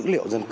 dữ liệu dân cư